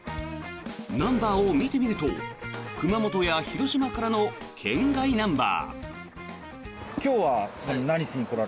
ナンバーを見てみると熊本や広島からの県外ナンバー。